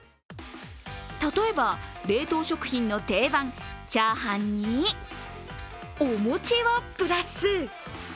例えば、冷凍食品の定番チャーハンにお餅をプラス。